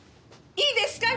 いいですか？